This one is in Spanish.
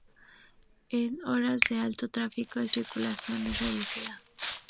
En horas de alto tráfico la circulación es reducida.